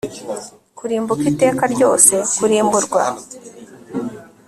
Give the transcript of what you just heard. kurimbuka iteka ryose kurimburwa